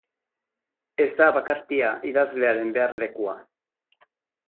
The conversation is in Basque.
Ez da bakartia idazlearen beharlekua.